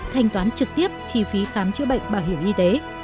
thanh toán trực tiếp chi phí khám chữa bệnh bảo hiểm y tế